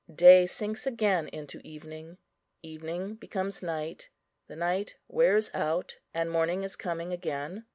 Day sinks again into evening, evening becomes night; the night wears out, and morning is coming again.